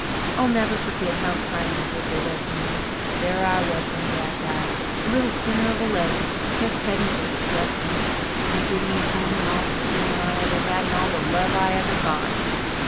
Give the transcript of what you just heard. I'll never forget how kind and good they was to me. There I was, when Dad died, a little sinner of eleven, just heading for destruction. They give me a home and all the schooling I ever had and all the love I ever got.